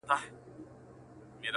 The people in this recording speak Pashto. لاس دي رانه کړ اوبو چي ډوبولم،